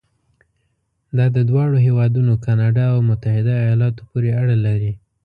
دا د دواړو هېوادونو کانادا او متحده ایالاتو پورې اړه لري.